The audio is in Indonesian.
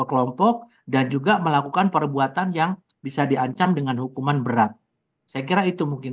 kelompok dan juga melakukan perbuatan yang bisa diancam dengan hukuman berat saya kira itu mungkin